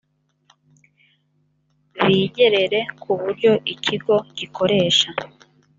bigerere ku buryo ikigo gikoresha